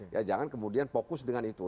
ya jangan kemudian fokus dengan itu